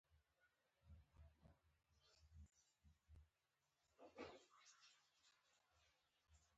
راکټ انسان له فضا سره اشنا کړ